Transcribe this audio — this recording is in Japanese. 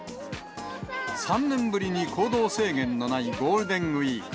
３年ぶりに行動制限のないゴールデンウィーク。